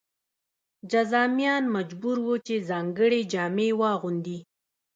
جذامیان مجبور وو چې ځانګړې جامې واغوندي.